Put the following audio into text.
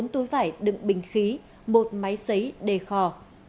bốn túi vải đựng bình khí một máy xấy đề khò